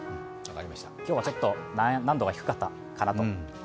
今日はちょっと難度が低かったかなと。